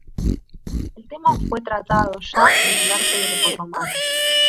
El tema fue tratado ya en el arte grecorromano.